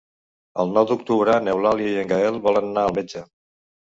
El nou d'octubre n'Eulàlia i en Gaël volen anar al metge.